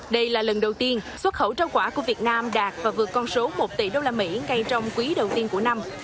đây là lần đầu tiên xuất khẩu rau quả của việt nam đạt và vượt con số một tỷ usd ngay trong quý đầu tiên của năm